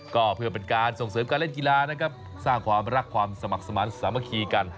ก็เพื่อเป็นการส่งเสริมการเล่นกีฬานะครับสร้างความรักความสมัครสมาธิสามัคคีกัน